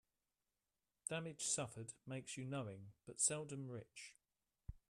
Damage suffered makes you knowing, but seldom rich.